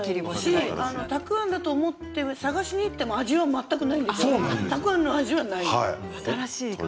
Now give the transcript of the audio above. たくあんだと思って探しにいっても味は全くないたくあんの味はないです。